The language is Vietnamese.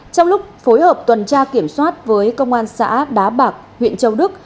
trong lúc phối hợp tuần tra kiểm soát với công an xã đá bạc huyện châu đức